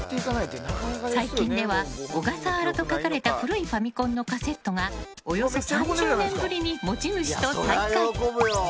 最近では「小笠原」と書かれた古いファミコンのカセットがおよそ３０年ぶりに持ち主と再会。